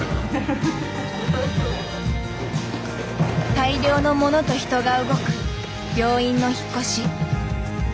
大量の物と人が動く病院の引っ越し。